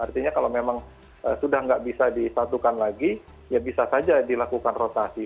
artinya kalau memang sudah tidak bisa disatukan lagi ya bisa saja dilakukan rotasi